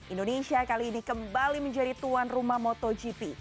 indonesia kali ini kembali menjadi tuan rumah motogp